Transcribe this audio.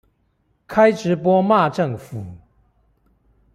開直播罵政府